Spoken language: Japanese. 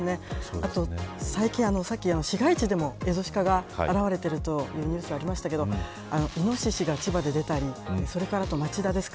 あと、最近市街地でもエゾシカが現れているというニュースがありましたけどイノシシが千葉で出たりそれから町田ですか。